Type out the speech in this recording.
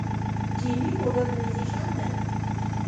دیني مډرنیزېشن دی.